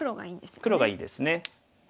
黒がいいですね。